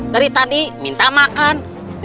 dari tadi minta makan